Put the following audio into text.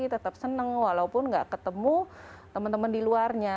tetap senang walaupun nggak ketemu teman teman di luarnya